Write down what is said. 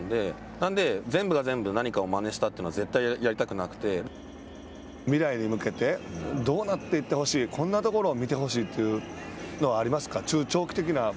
なんで、全部が全部、何かをまねしたというのは、絶対やりたくな未来に向けて、どうなっていってほしい、こんなところを見てほしいというのはありますか。